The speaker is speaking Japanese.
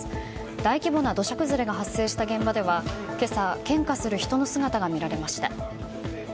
大規模な土砂崩れが発生した現場では今朝、献花する人の姿が見られました。